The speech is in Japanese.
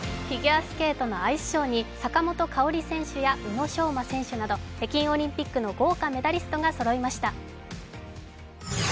フィギュアスケートのアイスショーに坂本花織選手や宇野昌磨選手など北京オリンピックの豪華メダリストがそろいました。